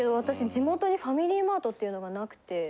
地元にファミリーマートっていうのがなくて。